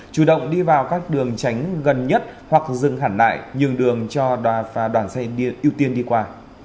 chủ động đi vào các đường tránh gần nhất hoặc dừng hẳn lại nhường đường cho đoàn xe ưu tiên đi qua